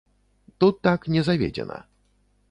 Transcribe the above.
Тут так не заведзена.